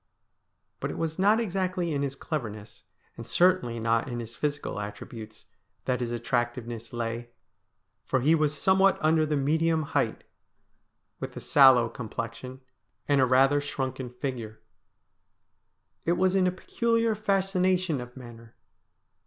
But it was not exactly in his cleverness, and certainly not in his physical attributes, that his attractiveness lay ; for he was somewhat under the medium height, with a sallow complexion and a THE STORY OF A HANGED MAN 277 rather shrunken figure. It was in a peculiar fascination of manner.